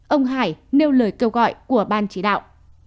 ông hải nêu lời kêu gọi của ban chỉ đạo